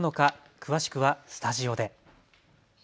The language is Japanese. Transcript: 詳しくはスタジオで。